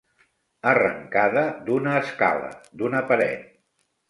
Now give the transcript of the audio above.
Arrencada d'una escala, d'una paret.